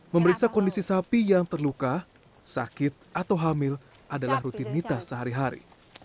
memeriksa kondisi sapi yang terluka sakit atau hamil adalah rutinitas sehari hari